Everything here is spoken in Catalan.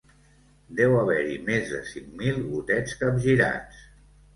Deu haver-hi més de cinc mil gotets capgirats.